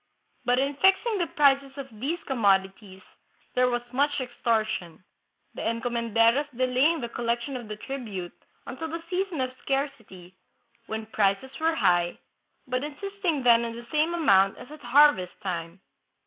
But in fixing the prices of these commodities there was much extortion, the encomenderos delaying the collection of the tribute until the season of scarcity, when prices were high, but insist ing then on the same amount as at harvest time.